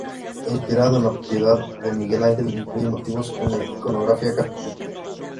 Inspirado en "La Piedad", de Miguel Ángel, incluye motivos de la iconografía católica.